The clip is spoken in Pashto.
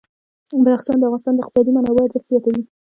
بدخشان د افغانستان د اقتصادي منابعو ارزښت زیاتوي.